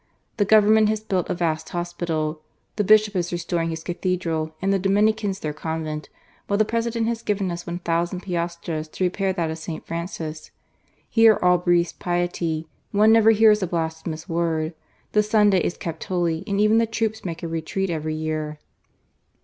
The Government has built a vast hospital, the Bishop is restoring his Cathedral and the Dominicans their convent, while the President has given us 1,000 piastres to repair that of St. Francis. Here all breathes piety ; one never hears a blasphemous word. The Sunday is kept holy, and even the troops make a retreat every year."